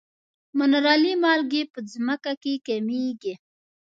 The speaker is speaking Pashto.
منرالي مالګې په ځمکه کې کمیږي.